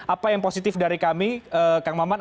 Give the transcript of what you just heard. apa yang positif dari kami kang maman